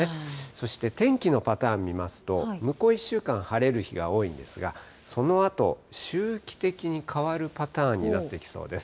そして天気のパターン見ますと、向こう１週間晴れる日が多いんですが、そのあと、周期的に変わるパターンになってきそうです。